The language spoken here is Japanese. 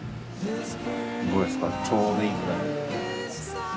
どうですかちょうどいいくらい。